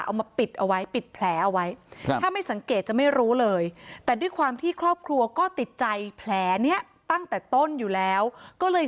เอามาปิดเอาไว้ปิดแผลเอาไว้ถ้าไม่สังเกตจะไม่รู้เลยแต่ด้วยความที่ครอบครัวก็ติดใจแผลนี้ตั้งแต่ต้นอยู่แล้วก็เลย